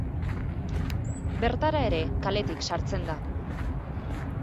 Bertara ere kaletik sartzen da.